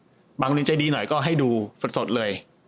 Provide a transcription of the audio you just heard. บางโรงเรียนใจดีหน่อยก็ให้ดูสดเลย